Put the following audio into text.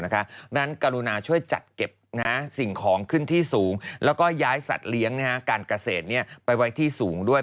ดังนั้นกรุณาช่วยจัดเก็บสิ่งของขึ้นที่สูงแล้วก็ย้ายสัตว์เลี้ยงการเกษตรไปไว้ที่สูงด้วย